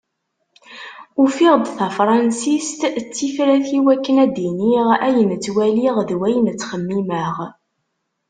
Ufiɣ-d tafransist d tifrat i wakken ad d-iniɣ ayen ttwaliɣ d wayen txemmimeɣ.